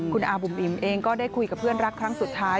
คุณอาบุ๋มอิ๋มเองก็ได้คุยกับเพื่อนรักครั้งสุดท้าย